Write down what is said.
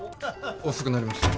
遅くなりました。